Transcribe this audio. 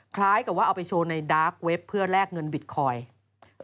คล้ายกับว่าเอาไปโชว์ในดาร์กเว็บเพื่อแลกเงินบิตคอยน์